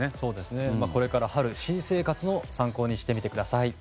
これから春、新生活の参考にしてみてください。